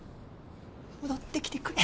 戻ってきてくれ。